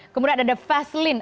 kemudian ada vaseline